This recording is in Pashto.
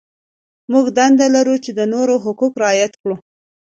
موږ دنده لرو چې د نورو حقوق رعایت کړو.